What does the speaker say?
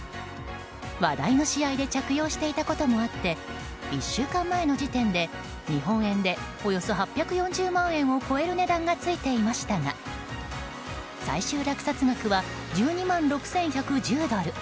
話題の試合で着用していたこともあって１週間前の時点で日本円でおよそ８４０万円を超える値段がついていましたが最終落札額は１２万６１１０ドル。